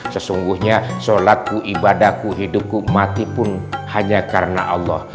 sesungguhnya sholatku ibadahku hidupku mati pun hanya karena allah